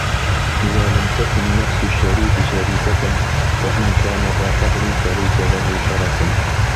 إذَا لَمْ تَكُنْ نَفْسُ الشَّرِيفِ شَرِيفَةً وَإِنْ كَانَ ذَا قَدْرٍ فَلَيْسَ لَهُ شَرَفُ